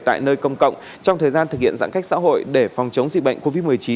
tại nơi công cộng trong thời gian thực hiện giãn cách xã hội để phòng chống dịch bệnh covid một mươi chín